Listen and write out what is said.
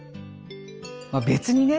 別にね